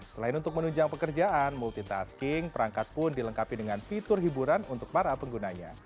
selain untuk menunjang pekerjaan multitasking perangkat pun dilengkapi dengan fitur hiburan untuk para penggunanya